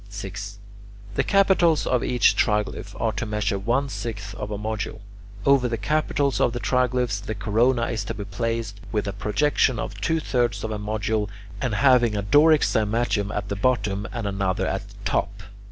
6. The capitals of each triglyph are to measure one sixth of a module. Over the capitals of the triglyphs the corona is to be placed, with a projection of two thirds of a module, and having a Doric cymatium at the bottom and another at the top.